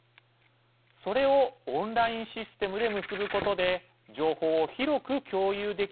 それをオンラインシステムで結ぶことで情報を広く共有できるようにする。